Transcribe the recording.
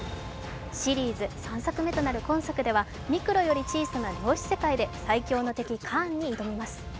シリーズ３作目となる今作ではミクロより小さな量子世界で最強の敵・カーンに挑みます。